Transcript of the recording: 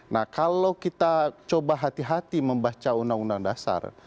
nah kalau kita coba hati hati membaca undang undang dasar